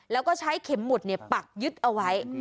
แล้วก็ใช้เข็มหมุดปักยึดเอาไว้